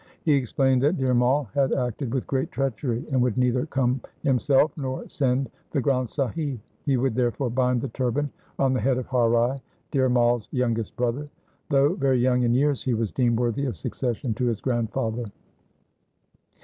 He explained that Dhir Mai had acted with great treachery, and would neither come himself nor send the Granth Sahib. He would therefore bind the turban on the head of Har Rai, Dhir Mai's youngest brother. Though very young in years, he was deemed worthy of succession to his grandfather.